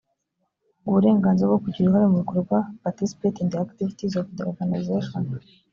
uburenganzira bwo kugira uruhare mu bikorwa participate in the activities of the organization